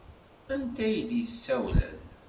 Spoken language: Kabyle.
Anta ay d-yessawlen?